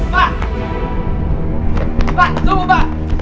pak tunggu pak